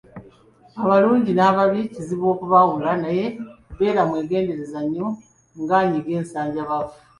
Abalungi n'ababi kizibu okubaawula naye beera mwegendereza nnyo ng'anyiga ensanjabavu.